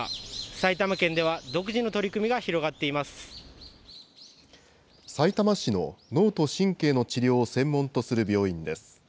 埼玉県では独自の取り組みが広がさいたま市の、脳と神経の治療を専門とする病院です。